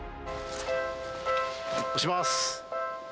押します。